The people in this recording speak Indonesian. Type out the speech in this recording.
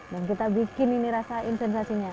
dan kita bikin ini rasain sensasinya